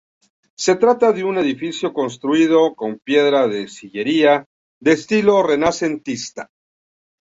Se trata de un edificio construido con piedra de sillería, de estilo renacentista.